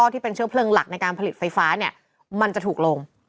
ที่เป็นเชื้อเพลิงหลักในการผลิตไฟฟ้ามันจะถูกลง